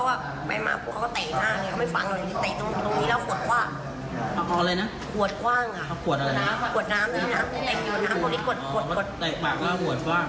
ขวดน้ำนะครับเต็มอยู่ขวดน้ำแล้วก็อ่ออ่อก็เตะปากล้าหัวหัวด้า